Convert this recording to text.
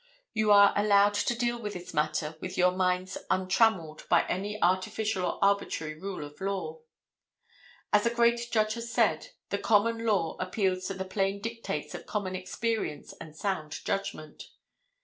You are allowed to deal with this matter with your minds untrammeled by any artificial or arbitrary rule of law. As a great judge has said: "The common law appeals to the plain dictates of common experience and sound judgment."